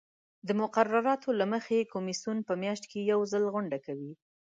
د مقرراتو له مخې کمیسیون په میاشت کې یو ځل غونډه کوي.